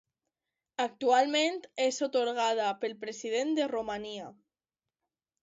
Actualment és atorgada pel President de Romania.